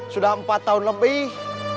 sudah empat tahun lebih